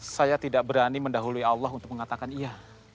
saya tidak berani mendahului allah untuk mengatakan iya